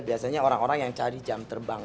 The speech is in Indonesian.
biasanya orang orang yang cari jam terbang